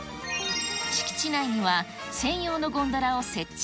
敷地内には専用のゴンドラを設置。